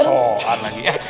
sok sokan lagi ya